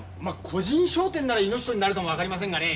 個人商店なら命取りになるかも分かりませんがね